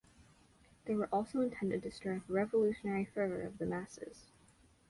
They were also intended to stir up revolutionary fervor of the masses.